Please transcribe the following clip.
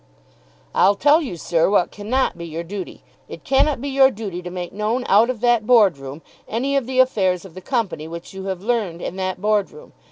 "I'll tell you, sir, what can not be your duty. It cannot be your duty to make known out of that Board room any of the affairs of the Company which you have learned in that Board room.